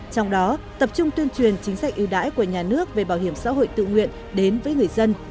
trong đó tập trung tuyên truyền chính sách ưu đãi của nhà nước về bảo hiểm xã hội tự nguyện đến với người dân